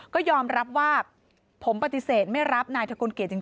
ก็ยอมรับว่าผมปฏิเสธไม่รับนายทะกลเกียจจริง